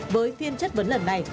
với phiên chất vấn lần này